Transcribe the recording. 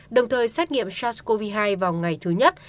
đồng thời xét nghiệm sars cov hai vào ngày thứ nhất